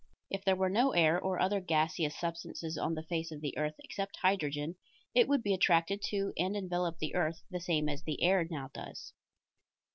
If there were no air or other gaseous substances on the face of the earth except hydrogen, it would be attracted to and envelop the earth the same as the air now does.